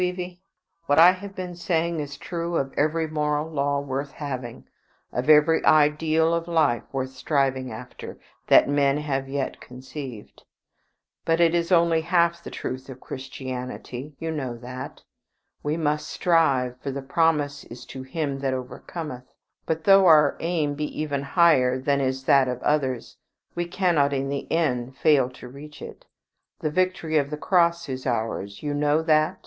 Evie, what I have been saying is true of every moral law worth having, of every ideal of life worth striving after, that men have yet conceived. But it is only half the truth of Christianity. You know that. We must strive, for the promise is to him that overcometh; but though our aim be even higher than is that of others, we cannot in the end fail to reach it. The victory of the Cross is ours. You know that?